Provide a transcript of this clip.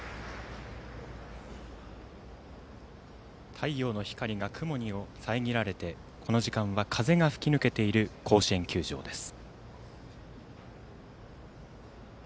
太陽の光が雲にさえぎられてこの時間は風が吹きぬけている甲子園球場です。